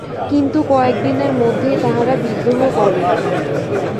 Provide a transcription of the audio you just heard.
কিন্তু কয়েকদিনের মধ্যেই তাহারা বিদ্রোহ করে।